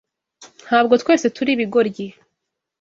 Ntabwo twese turi ibigoryi